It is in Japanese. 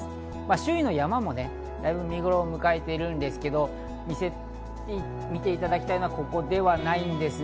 周囲の山も見ごろを迎えているんですけど、見ていただきたいのはここではないんですね。